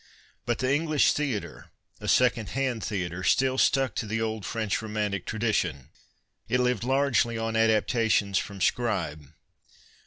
But the Englisii theatre, a second hand theatre, still stuck to the old French romantic tradition. It lived largely on adaptations from Scribe.